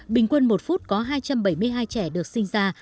bình quân một phút có hai trăm bảy mươi hai trẻ được sinh ra